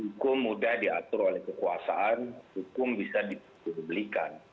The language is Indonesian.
hukum mudah diatur oleh kekuasaan hukum bisa dipublikan